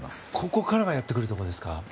ここからが出てくるところですか。